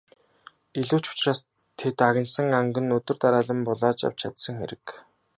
Илүү ч учраас тэд агнасан анг нь өдөр дараалан булааж авч чадсан хэрэг.